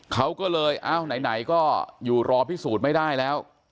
เขาก็เลยอ้าวไหนก็อยู่รอพิสูจน์ไม่ได้แล้ว